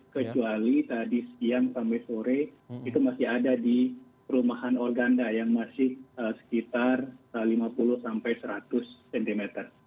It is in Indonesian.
kecuali tadi siang sampai sore itu masih ada di perumahan organda yang masih sekitar lima puluh sampai seratus cm